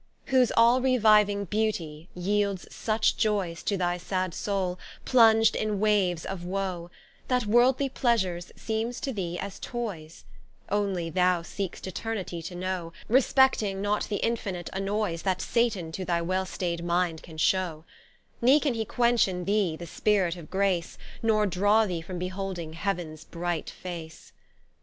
Whose all reviving beautie, yeelds such joyes To thy sad Soule, plunged in waves of woe, That worldly pleasures seemes to thee as toyes, Onely thou seek'st Eternitie to know, Respecting not the infinite annoyes That Satan to thy well staid mind can show; Ne can he quench in thee, the Spirit of Grace, Nor draw thee from beholding Heavens bright face.